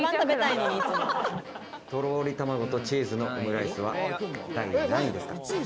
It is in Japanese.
とろり卵とチーズのオムライスは第何位ですか？